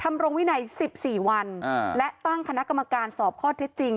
ทำรงวินัยสิบสี่วันอ่าและตั้งคณะกรรมการสอบข้อเท็จจริง